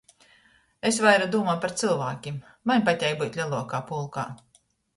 Es vaira dūmoju par cylvākim, maņ pateik byut leluokā pulkā.